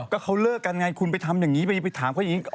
ก็เขาเลิกกันไงคุณไปทำอย่างนี้ไปถามเขาอย่างนี้